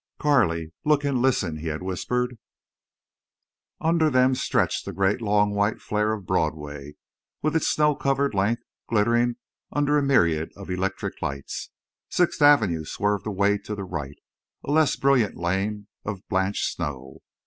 "Carley, look and listen!" he had whispered. Under them stretched the great long white flare of Broadway, with its snow covered length glittering under a myriad of electric lights. Sixth Avenue swerved away to the right, a less brilliant lane of blanched snow.